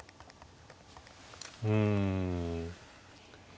うん。